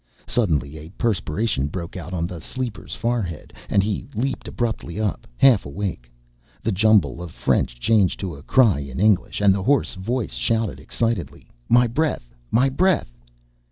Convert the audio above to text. Suddenly a perspiration broke out on the sleeper's forehead, and he leaped abruptly up, half awake. The jumble of French changed to a cry in English, and the hoarse voice shouted excitedly, "My breath, my breath!"